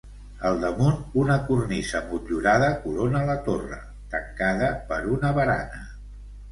Al damunt, una cornisa motllurada corona la torre, tancada per una barana.